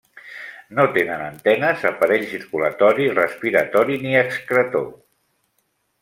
No tenen antenes, aparell circulatori, respiratori ni excretor.